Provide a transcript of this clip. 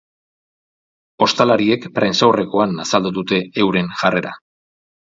Ostalariek prentsaurrekoan azaldu dute euren jarrera.